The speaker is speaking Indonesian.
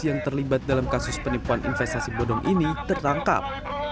yang terlibat dalam kasus penipuan investasi bodong ini tertangkap